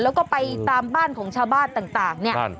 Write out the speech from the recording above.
แล้วก็ไปตามบ้านของชาวบ้านต่างเนี่ย